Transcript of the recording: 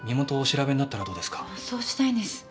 そうしたいんです。